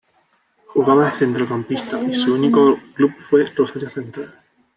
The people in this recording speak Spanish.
Jugaba de centrocampista y su único club fue Rosario Central.